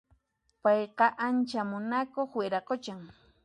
Payqa ancha munakuq wiraquchan